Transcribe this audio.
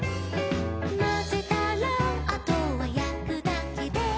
「まぜたらあとはやくだけで」